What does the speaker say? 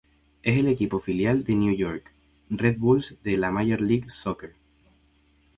Es el equipo filial del New York Red Bulls de la Major League Soccer.